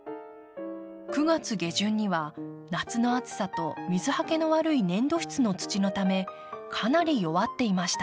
９月下旬には夏の暑さと水はけの悪い粘土質の土のためかなり弱っていました。